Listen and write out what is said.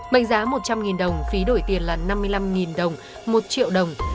mệnh giá một trăm linh đồng phí đổi tiền là năm mươi năm đồng một triệu đồng